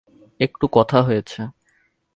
একটু কথা হয়েছে।